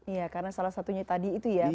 iya karena salah satunya tadi itu ya